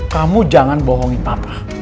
kamu jangan bohongin papa